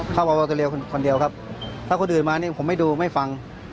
ชอบวัตเตอร์เลียคนเดียวครับถ้าคนอื่นมาผมไม่ดูไม่ฟัง